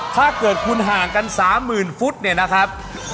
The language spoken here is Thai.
ถ้าเกิดคุณห่างกันสามหมื่นฟุตเนี่ยนะครับ